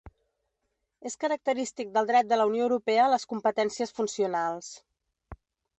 És característic del dret de la Unió Europea les competències funcionals.